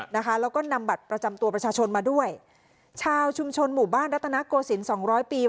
นะคะแล้วก็นำบัตรประจำตัวประชาชนมาด้วยชาวชุมชนหมู่บ้านรัตนโกศิลปสองร้อยปี